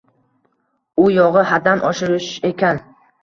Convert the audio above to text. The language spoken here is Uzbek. u yog‘i haddan oshish ekan.